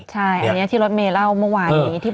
ใช่อันนี้ที่รถเมย์เล่าเมื่อวานนี้